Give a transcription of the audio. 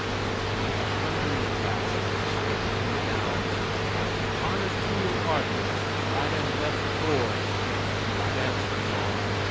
and with a thundering crash his foot came down, "Honors TEW your pardners right and left FOUR!" And the dance was on!